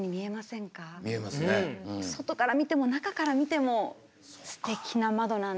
外から見ても中から見てもすてきな窓なんです。